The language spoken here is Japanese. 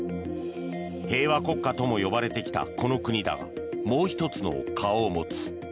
平和国家とも呼ばれてきたこの国だがもう１つの顔を持つ。